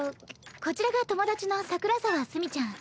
こちらが友達の桜沢墨ちゃん。